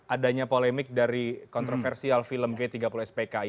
adanya polemik dari kontroversial film g tiga puluh spki